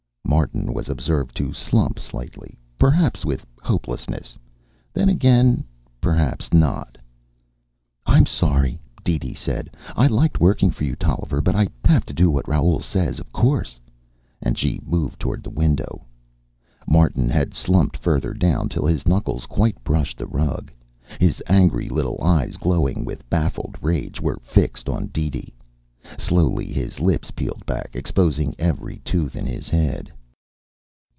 Martin was observed to slump slightly perhaps with hopelessness. Then, again, perhaps not. "I'm sorry," DeeDee said. "I liked working for you, Tolliver. But I have to do what Raoul says, of course." And she moved toward the window. Martin had slumped further down, till his knuckles quite brushed the rug. His angry little eyes, glowing with baffled rage, were fixed on DeeDee. Slowly his lips peeled back, exposing every tooth in his head.